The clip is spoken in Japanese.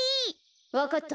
わかった。